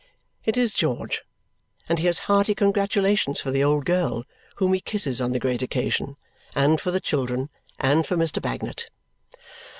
It is George, and he has hearty congratulations for the old girl (whom he kisses on the great occasion), and for the children, and for Mr. Bagnet.